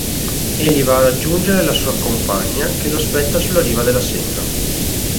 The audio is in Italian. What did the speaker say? Egli va a raggiungere la sua compagna che lo aspetta sulla riva della Senna.